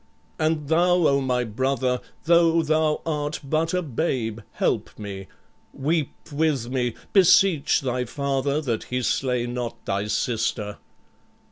And thou, O my brother, though thou art but a babe, help me. Weep with me; beseech thy father that he slay not thy sister.